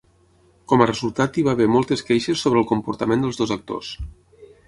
Com a resultat hi va haver moltes queixes sobre el comportament dels dos actors.